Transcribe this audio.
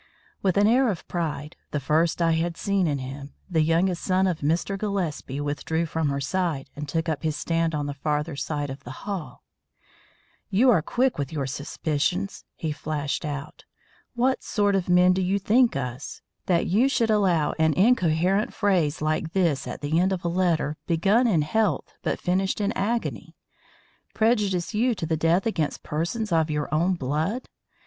With an air of pride, the first I had seen in him, the youngest son of Mr. Gillespie withdrew from her side and took up his stand on the farther side of the hall. "You are quick with your suspicions," he flashed out. "What sort of men do you think us, that you should allow an incoherent phrase like this at the end of a letter begun in health but finished in agony, prejudice you to the death against persons of your own blood?